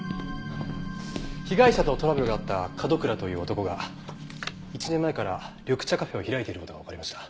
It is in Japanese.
被害者とトラブルがあった角倉という男が１年前から緑茶カフェを開いている事がわかりました。